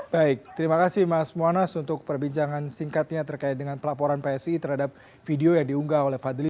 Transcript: baik terima kasih mas muanas untuk perbincangan singkatnya terkait dengan pelaporan psi terhadap video yang diunggah oleh fadli